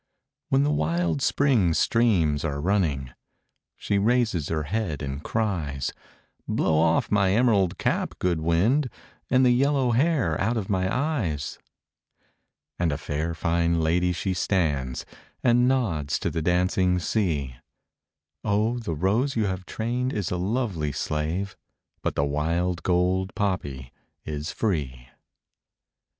When the wild spring streams are running, She raises her head and cries, "Blow off my emerald cap, good wind, And the yellow hair out of my eyes!" And a fair fine lady she stands, And nods to the dancing sea, O the rose you have trained is a lovely slave, But the wild gold poppy is free!